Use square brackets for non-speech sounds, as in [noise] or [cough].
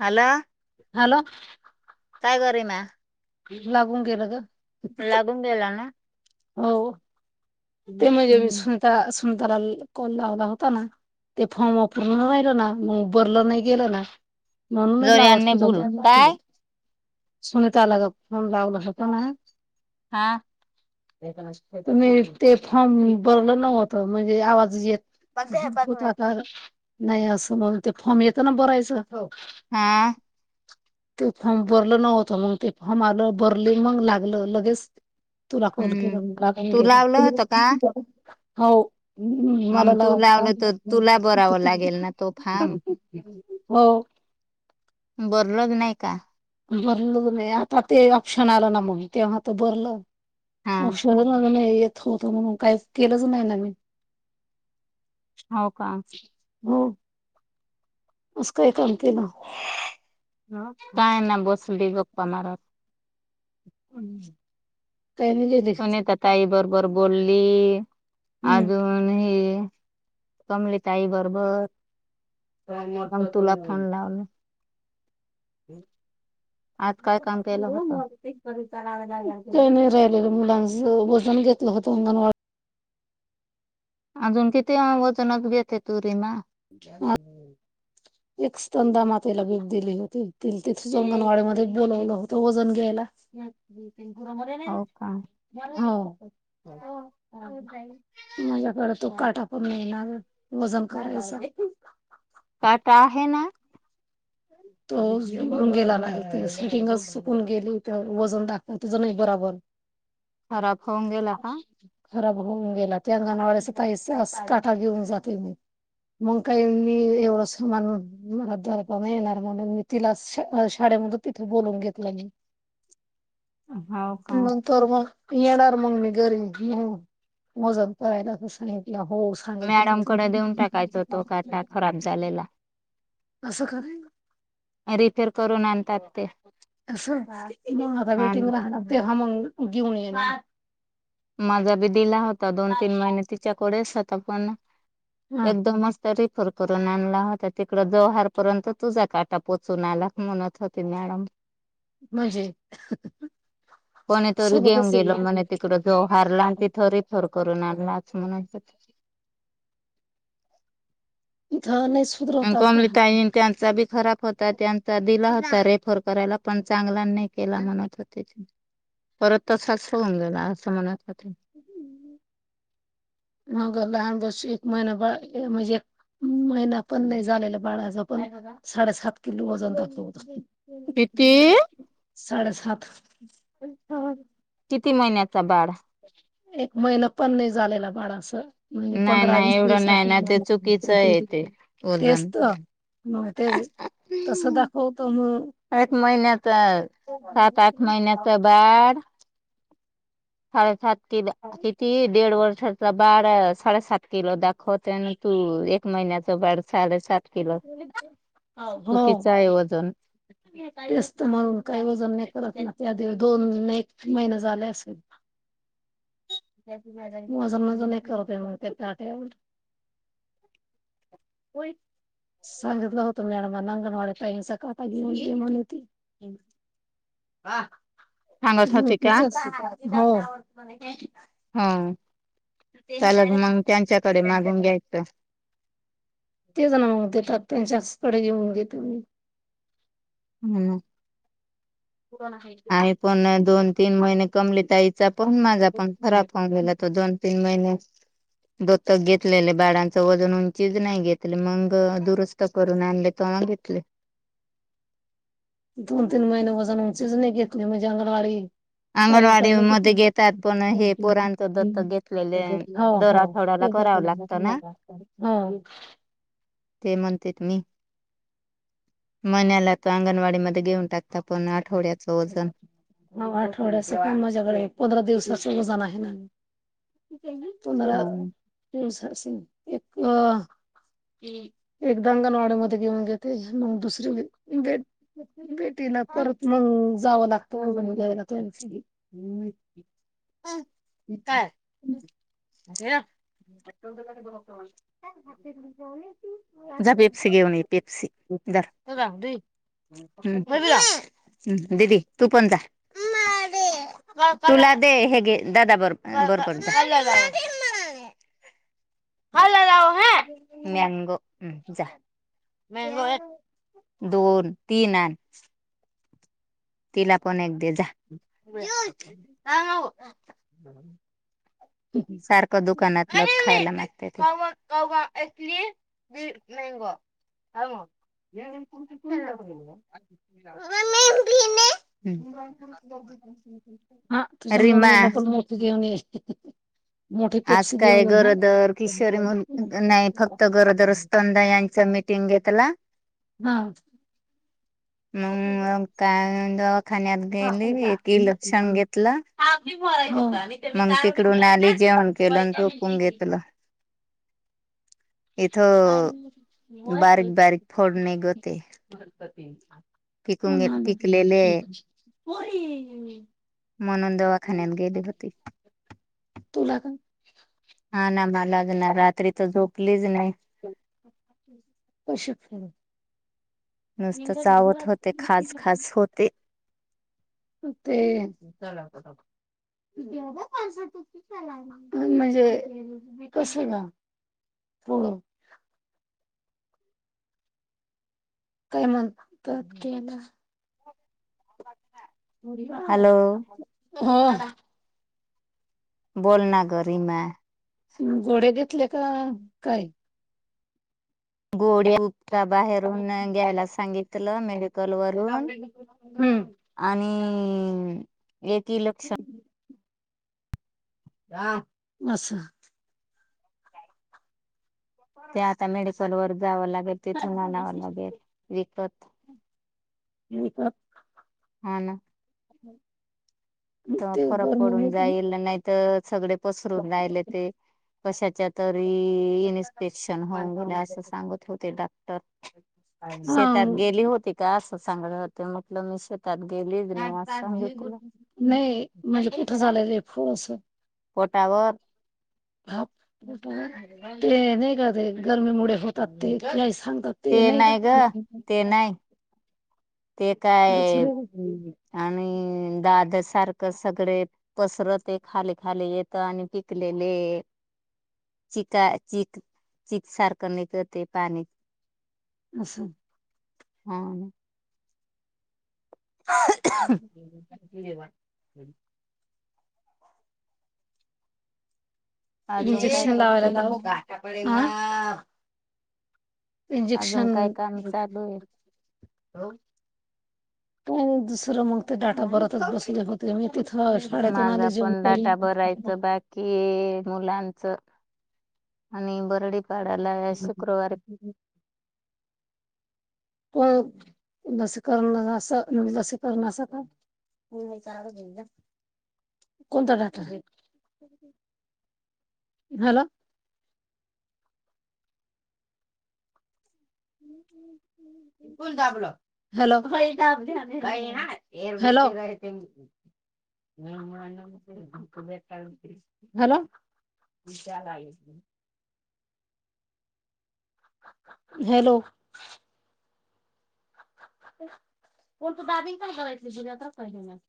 हॅला hello काय करेमा लागून गेलं ग लागून गेला ना हो ते म्हणजे मी सुनीता सुनताला कॉल लावला होता ना ते फॉर्म वापरण राहिलं ना मग उ बरलं नाही गेलं ना म्हणूनून लाग अस जोरने बोल काय सुनीता आला फोन लावला होतो ना हा तुम्ही ते फॉर्म भरल नव्हत म्हणजे आवाज येत अज खूत आकार नाही असं म्ह ते फॉर्म येतं ना भरायचं हा [inaudible] ते फॉर्म भरल नव्हतं मग ते फॉर्म आलं भरले मग लागलं लगेच तुला कॉल हम्म केला मला का तू गेला लावलं होत का हो हम्म मग तू मलालाट लावलं तर तुला बरावं लागेल ना तो फार्म हो बरलज नायका भरल नाही आता ते ऑप्शन आलं ना मग तेव्हा तर भरलं हा औषध न नाही होत म्हणून काही केलंच नाही ना मी हो का हो असं काही कामते ना काय ना बसली गप्पा मारत काय सुनेता ताई बरोबर बोलली हम्म अजून हि कमली ताई बरोबर मग तुला फोन लावल म आज काय काम केलं होत ते. का नाही राहिले मुलांच वजन घेतलं होतंंगणवा अजून किती वजनच घेते तुरी म [unintelligible] एक स्तंदा मातेला बीप दिली होती तिथे अंगणवाडी मध्ये बोलावलं होतं वजन घ्यायला घुरमध्ये नाही. हो का माझ्याकडे तो काटा पण मिळणार वजन करायचा दे. काटा आहे ना तो सुून गेला नाही स्विटिंगच सुकून गेली त्या वजन दाखत तच नाही बराबर खराब होऊन गेला का [unintelligible] खराब होऊन गेला त्यांगाणावा्याचा तई काठा घेऊन जाते मी मग काही मी एवढं सामान मला द प म येणार म्हणून मी तिला शाळेमध्ये तिथे बोलून घेतलं मी हा का तरोर मग येणार मग म घरी घिऊ वजन पयला तर साित होस मॅडमकडे देऊन टाकायच तो काटा खराब झालेला. असं कराेन रिफेअर करून आणतात ते असं मा हा बेटिंग ना. राणार देहा मग घेऊन ये माझा बी दिला होता दोन तीन महिने तिच्याकडेच होता पण हा एकदमच रिफर करून आणला होता तिकड जवहारपर्यंत तुझा काटा पोचून आला म्हणत होती मॅडम. म्हणजे कोणे तोर गेम सोबतच गेलो म. तिकड जो हारला आणि तिथं रिफर करून आणला अस म्हणाय थान कमलीताईन त्यांचा बी खराब. होता त्यांचा दिला होता रेफर करायला पण चांगला नाही केला म्हणत होते. परत त साक्ष होऊन गेला असं म्हणत का ते मग लहान बस एक महिना बा म्हणजे. महिना पण नाही झालेला बाळाज पण साडेसात किलो वजन द होत. प्रती साडे सात ह किती महिन्याचा बाळ एक महिन पण नाही झालेला बाळा असं. म्हणजे नाही पंधरा नाही वीस एवढं वीस नाही ना ते चुकीचं आहे ते तेच वजन तर मग तेच तसं दाखवतो मग एक महिनेत सात आठ महिनेत बाढ साडेसात कि किती देड वर्षात. बाळ साडेसात किलो दाखवते आणि तू एक महिन्याचं बाळ साडेसात. किलो हो. चुकीचं आहे वजन तेस्त म्हणून काही वजन नाही करत नाही त्या आधी दोन एक महिने झाले असेल मजन मजन नाही करत मग तेटेवर होई संांगत गहत मॅड म नंगण टाइम स काता गमली त सांगत होती च का हो हो चलग मग त्यांच्याकडे मागून घ्यायचं. ते जण मगून देतात त्यांच्या हस्पडे घेऊन घेतो मी हम्म. परण हच पण दोन तीन महिने कमले त आईचा पण माझा पण खरा फमलेला तो दोन तीन महिने दत्तक घेतलेले बाळांच वजन उंचीज नाही घेतले, मग दुरुस्त करून आणले तेव्हा घेतले. दोन तीन महिने वजन उंचीच नाही घेतली, म्हणजे अंगणवाडी तही अंगणवाडी करण मध्ये घेतात पण हे क पोरांच दत्तक घेतलेले [unintelligible] हो दर हो आठवड्याला ते करावं लागतं ना हो [unintelligible] ते म्हणतेेत मी मन्याला त अंगणवाडी मध्ये घेऊन टाकत, पण आठवड्याचं वजन हो आठवड्या, अस पण माझ्याकडे पंधरा दिवसाचं वजन आहे ना. पुनरा एक [unintelligible] एकदा अंगणवाड्यामध्ये घेऊन जाते मग, दुसरी वे बेटीला परत मग जावं लागतं म्ह घ्यायला तोस [unintelligible] हम् कायरा [unintelligible] [unintelligible] ददी तू पणंत [unintelligible] तुला दे हेग दादा बर बरप [unintelligible] हल जाऊ ह मॅंगोम जा मंगो [unintelligible] दोन, तीन तिला पण एक दे जा. ह ह [inaudible] सारखं दुकानात खायलागत मग [unintelligible] हो [unintelligible] ह म भी [unintelligible] हा, तुझ्या मम्मीला पण मोती घेऊन ये. मोठी आज पेप्सी काय घेऊन ये हा. गरोदर किशोरी म्ह, नाही फक्त गरोदर असत. यांच मीटिंग घेतला. हा. मग काय दवाखान्यात गेली, एक इ लक्षण घेतलं. हो. मग तिकडू आली, जेवण क केलं झोपून घेतलं. इथं, बारीक, बारीक, फोड नाही ग ते पिकलेले [unintelligible] म्हणून दवाखान्यात गेली होती. तूला का. हा ना, मलाज ना, रात्री तर झोपलीच नाही. कशक [unintelligible] नुसत चावत होते, खास, खास होते. ते [unintelligible] म्हणजे क ग [unintelligible] होड [unintelligible] तन प क [unintelligible] हा [unintelligible] हो [unintelligible] बोलना ग रीमा घोडे घेतले का काय? गोडे उ [unintelligible] बाहेरून घ्यायला सांगितलं, मेडिकल वरून हम्म आणि, एकी लक्षण ह बसा [unintelligible] [unintelligible] ते आता मेडिकल वर जावं लागेल. तिथून आणनावं लागेल विकत हो तर हा ना. हम्. फरक पडून जाईल नाही तर सगळे पसरून राहिले ते कशाच्या तरी इन्स्पेक्शन होऊन गेल्या असं सांगत होते डॉक्टर हा शेतात गेली होती का असं सांगलं होते म्हटलं मी श त्यात गेलीच नाही आज सांगली तुला. नाही म्हणजे कुठं झालं रे फळसं. पोटावर ह ते नाही का ते गरमीमुळे होतात तेही सांगतात. ते नाही का? ते नाही ते त सुरय दाद सारखं सगळे. पसरते खाली खाली येत आणि पिकलेले चिक चक चक सारखं नाही करते पाणी असछा. हा ना. हवा अजून काय इंजेक्षन करते लावाला अजून इंजेक्शन काय काम चालू आहे दुसरं मग ते डाटा परतच बसले होते मी तिथं शाळेतून आले जेव तरी कि मुलांच आणि बरडीपाडाला शुक्रवार लसीकरण लसीकरण असका? कोणता घातल. हॅलो. विपल ाबल. हॅलो ह का आप हल गय ते. ह. का हॅलो विशाल आहे. हॅलो. कोण तू दाब पण गयतली बुद्यात्र पहिले